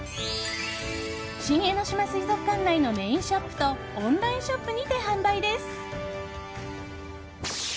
新江ノ島水族館内のメインショップとオンラインショップにて販売です。